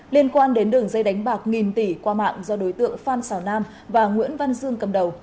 liên quan đến đường dây đánh bạc nghìn tỷ qua mạng do đối tượng phan xào nam và nguyễn văn dương cầm đầu